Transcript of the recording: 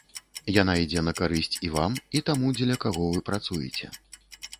Яна ідзе на карысць і вам і таму, дзеля каго вы працуеце.